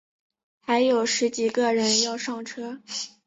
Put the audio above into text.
还有十几个人要上车